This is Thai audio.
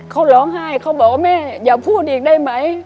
เขาร้องไห้เขาบอกว่าแม่อย่าพูดอีกได้ไหม